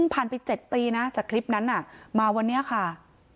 ผ่านไป๗ปีนะจากคลิปนั้นมาวันนี้ค่ะ